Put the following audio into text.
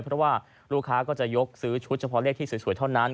เพราะว่าลูกค้าก็จะยกซื้อชุดเฉพาะเลขที่สวยเท่านั้น